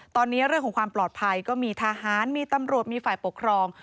ตอนนี้เรื่องของความปลอดภัยก็มีทหารมีตำรวจมีฝ่ายปกครอง